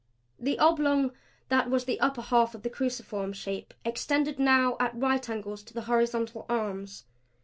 The oblong that was the upper half of the cruciform Shape extended now at right angles to the horizontal arms.